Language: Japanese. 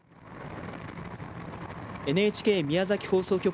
ＮＨＫ宮崎放送局